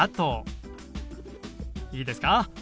いいですか？